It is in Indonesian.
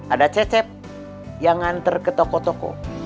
ada cecep yang nganter ke toko toko